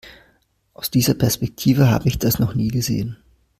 Aus dieser Perspektive habe ich das noch nie gesehen.